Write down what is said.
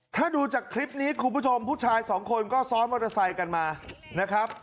ถ้าดูจากคลิปนี้คุณผู้ชมผู้ชายสองคนก็ซ้อนมอเตอร์ไซค์กันมานะครับ